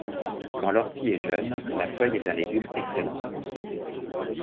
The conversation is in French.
Quand l'ortie est jeune, la feuille est un légume excellent.